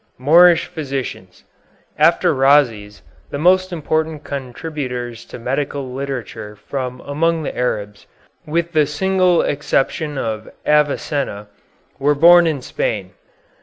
MOORISH PHYSICIANS After Rhazes, the most important contributors to medical literature from among the Arabs, with the single exception of Avicenna, were born in Spain.